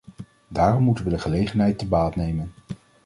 Daarom moeten we de gelegenheid te baat nemen.